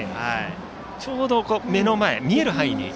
ちょうど目の前見える範囲。